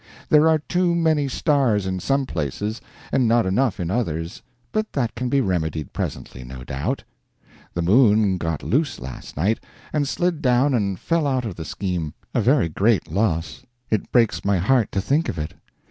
There are too many stars in some places and not enough in others, but that can be remedied presently, no doubt. The moon got loose last night, and slid down and fell out of the scheme a very great loss; it breaks my heart to think of it.